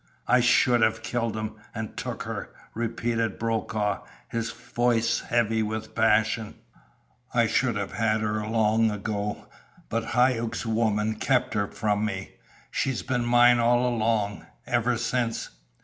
"I should have killed him, an' took her," repeated Brokaw, his voice heavy with passion. "I should have had her long ago, but Hauck's woman kept her from me. She's been mine all along, ever since...."